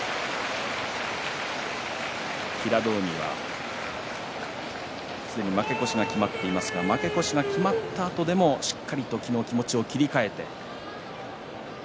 平戸海はすでに負け越しが決まっていますが負け越しが決まったあとでもしっかりと昨日、気持ちを切り替えて翠